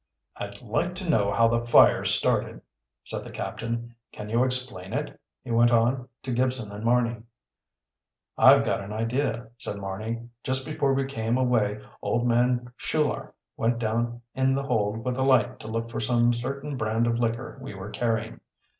"I'd like to know how the fire started," said the captain. "Can you explain it?" he went on, to Gibson and Marny. "I've got an idea," said Marny. "Just before we came away old man Shular went down in the hold with a light to look for some certain brand of liquor we were carrying.